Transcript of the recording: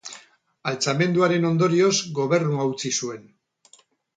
Altxamenduaren ondorioz, gobernua utzi zuen.